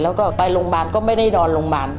ไปโรงพยาบาลก็ไม่ได้นอน